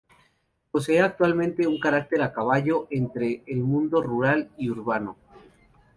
Posee actualmente un carácter a caballo entre el mundo rural y urbano.